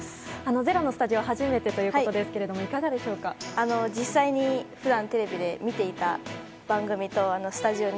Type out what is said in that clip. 「ｚｅｒｏ」のスタジオは初めてということですが実際に、普段テレビで見ていた番組とスタジオに。